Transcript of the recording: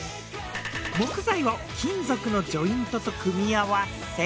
木材を金属のジョイントと組み合わせ